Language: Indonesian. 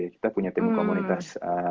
kita punya tim komunitas